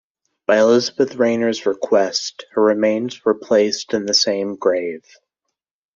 By Elizabeth Rayner's request, her remains were placed in the same grave.